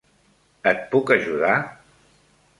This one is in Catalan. Et puc ajudar?